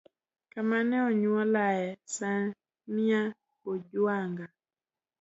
Kama ne onyuolae: samia bujwanga